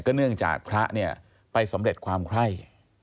ก็เนื่องจากพระไปสำเร็จความไคร้